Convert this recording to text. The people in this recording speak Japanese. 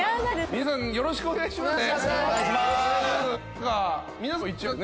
皆さんよろしくお願いしますね。